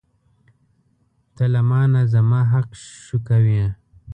ته له مانه زما حق شوکوې.